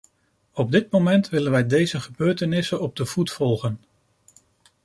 Op dit moment willen wij deze gebeurtenissen op de voet volgen.